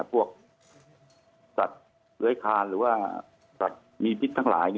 พวกสัตว์เลื้อยคานหรือว่าสัตว์มีพิษทั้งหลาย